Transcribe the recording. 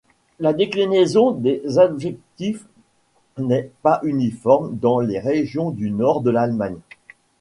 La déclinaison des adjectifs n'est pas uniforme dans les régions du Nord de l'Allemagne.